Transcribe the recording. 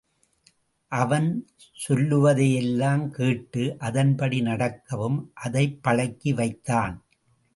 அவன் சொல்லுவதையெல்லாம் கேட்டு அதன்படி நடக்கவும் அதைப் பழக்கி வைத்தான்.